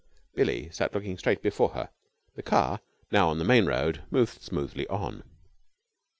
Billie sat looking straight before her. The car, now on the main road, moved smoothly on.